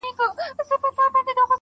هغه ډېوه د نيمو شپو ده تور لوگى نــه دی,